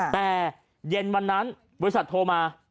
แต่เย็นวันนั้นบริษัทโทรมา